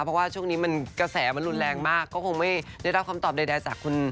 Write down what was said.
เพราะว่าช่วงนี้มันกระแสมันรุนแรงมากก็คงไม่ได้รับคำตอบใดจากคุณ